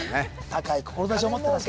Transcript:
高い志を持ってます